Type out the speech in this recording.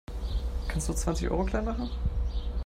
Kannst du zwanzig Euro klein machen?